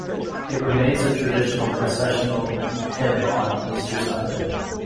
It remains a traditional processional hymn on Easter Sunday.